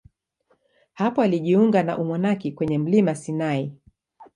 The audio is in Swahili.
Hapo alijiunga na umonaki kwenye mlima Sinai.